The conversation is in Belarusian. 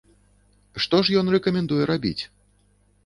Што ж ён рэкамендуе рабіць?